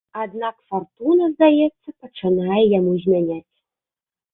Аднак фартуна, здаецца, пачынае яму змяняць.